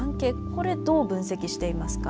これどう分析していますか？